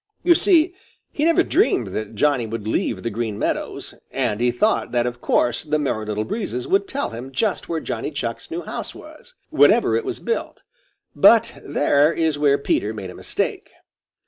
You see, he never dreamed that Johnny would leave the Green Meadows, and he thought that of course the Merry Little Breezes would tell him just where Johnny Chuck's new house was, whenever it was built. But there is where Peter made a mistake.